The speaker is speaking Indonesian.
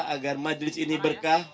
agar majlis ini berkah